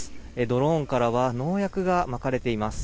ドローンからは農薬がまかれています。